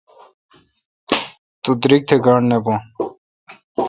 تو درگ تھ گاݨڈ نہ بھو۔